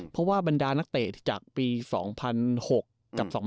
เพราะว่าบรรดานักเตะจากปี๒๐๐๖กับ๒๐